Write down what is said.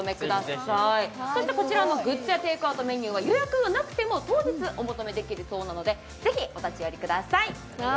こちらのグッズやテイクアウト商品は予約でなくても当日、お求めできるそうなのでぜひお立ち寄りください。